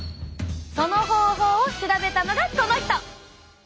その方法を調べたのがこの人！